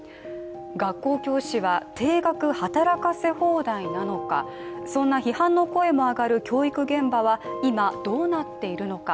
学校教師は定額働かせ放題なのかそんな批判の声も上がる教育現場は今どうなっているのか。